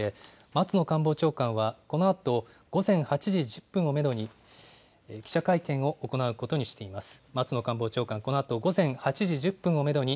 松野官房長官、このあと午前８時１０分をメドに、記者会見を行うことにしています。